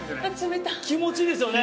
気持ちいいですよね。